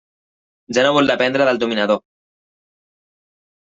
Ja no vol dependre del dominador.